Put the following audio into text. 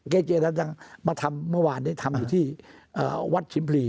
เจเจนั้นยังมาทำเมื่อวานนี้ทำอยู่ที่วัดชิมพลี